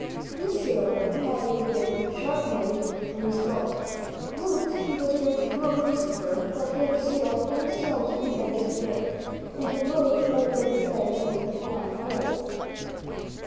This sailor had a big, sharp knife in his belt. Once he whispered to little Christopher that he had sailed and sailed to the edge of the earth and had looked over the edge into the deep, black hole.